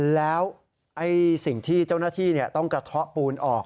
แล้วสิ่งที่เจ้าหน้าที่ต้องกระเทาะปูนออก